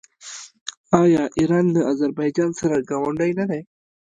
آیا ایران له اذربایجان سره ګاونډی نه دی؟